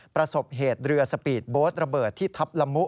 ประสบเหตุเรือสปีดโบ๊ทระเบิดที่ทับละมุ